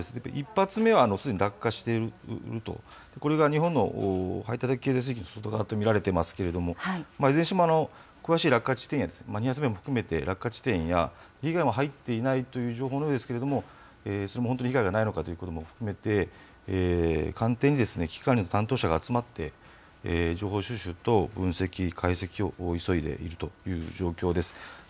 １発目はすでに落下していると、これが日本の排他的経済水域の外側と見られていますけれども、いずれにしても詳しい落下地点や、２発目も含めて、落下地点や、被害は入っていないという情報なんですけれども、本当に被害がないのかということも含めて、官邸に危機管理の担当者が集まって、情報収集等、分析、解析を急いでいるという状況です。